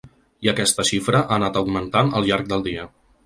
I aquesta xifra ha anat augmentant al llarg del dia.